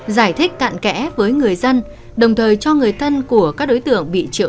giải thích cạn kẽ với người dân đồng thời cho người thân của các đối tượng bị triệu tập đi cùng